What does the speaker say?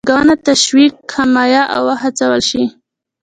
باید پانګونه تشویق، حمایه او وهڅول شي.